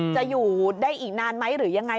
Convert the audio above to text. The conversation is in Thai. จะอยู่ได้อีกนานไหมหรือยังไง